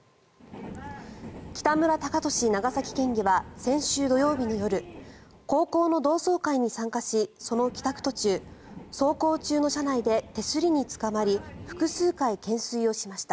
北村貴寿長崎県議は先週土曜日の夜高校の同窓会に参加しその帰宅途中走行中の車内で手すりにつかまり複数回懸垂をしました。